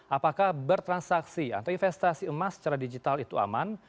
apakah bertransaksi atau investasi emas secara digital itu aman